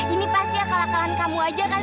ini pasti akal akalan kamu aja kan